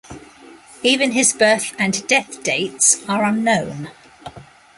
Even his birth and death dates are unknown.